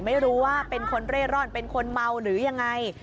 ไม่รู้ว่าเป็นคนเร่ร่อนเป็นคนเมาหรือยังไง